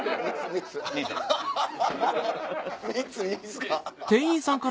３ついいんすか？